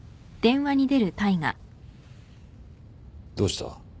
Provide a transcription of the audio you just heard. どうした？